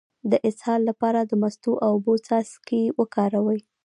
د اسهال لپاره د مستو او اوبو څاڅکي وکاروئ